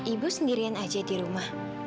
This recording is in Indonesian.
ibu sendirian aja di rumah